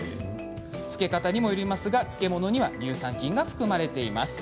漬け方にもよりますが漬物には乳酸菌が含まれています。